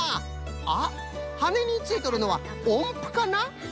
あっはねについとるのはおんぷかな？